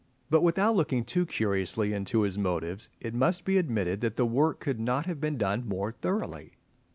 But without looking too curiously into his motives, it must be admitted that the work could not have been done more thoroughly.